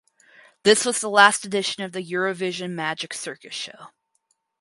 This was the last edition of the Eurovision Magic Circus Show.